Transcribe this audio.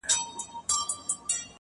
ددې خاوري هزاره ترکمن زما دی!.